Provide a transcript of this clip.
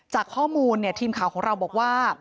จากข้อมูลเนี่ยทีมข่าวของเราบอกว่า